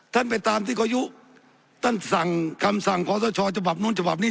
ท่านไปตามที่ก็ยุท่านสั่งคำสั่งข้อสอบชอบจบับนู่นจบับนี้